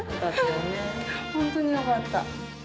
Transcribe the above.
本当によかった。